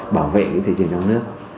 bảo vệ cái thị trường trong nước